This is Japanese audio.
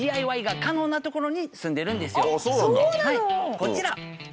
こちら。